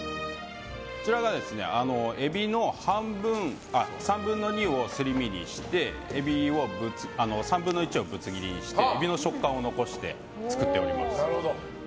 こちらはエビの３分の２をすり身にしてエビの３分の１をぶつ切りにしてエビの食感を残して作っております。